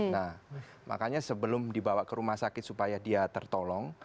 nah makanya sebelum dibawa ke rumah sakit supaya dia tertolong